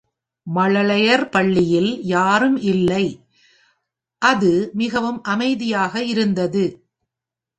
மழலையர் பள்ளியில் யாரும் இல்லை, அது மிகவும் அமைதியாக இருந்தது.